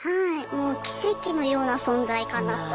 もう奇跡のような存在かなと。